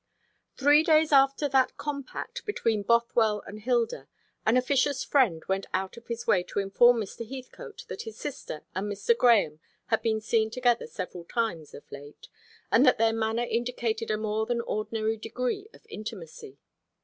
Three days after that compact between Bothwell and Hilda, an officious friend went out of his way to inform Mr. Heathcote that his sister and Mr. Grahame had been seen together several times of late, and that their manner indicated a more than ordinary degree of intimacy.